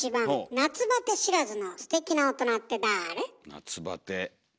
夏バテ。